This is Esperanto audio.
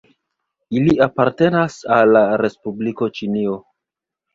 Ili apartenas al la Respubliko Ĉinio.